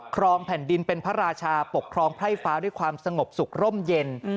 ครองแผ่นดินเป็นพระราชาปกครองไพร่ฟ้าด้วยความสงบสุขร่มเย็น